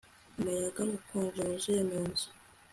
Umuyaga ukonje wuzuye mu nzu